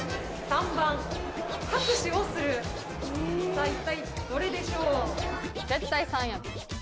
さぁ一体どれでしょう？